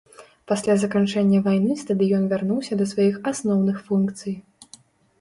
Пасля заканчэння вайны стадыён вярнуўся да сваіх асноўных функцый.